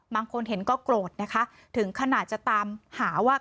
บางคนเห็นก็โกรธนะคะถึงขนาดจะตามหาว่า